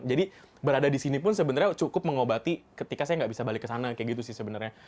berada di sini pun sebenarnya cukup mengobati ketika saya nggak bisa balik ke sana kayak gitu sih sebenarnya